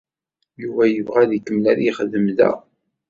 Yuba yebɣa ad ikemmel ad yexdem da.